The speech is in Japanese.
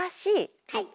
はい！